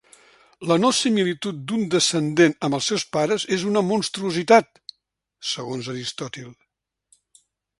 La no similitud d'un descendent amb els seus pares és una monstruositat segons Aristòtil.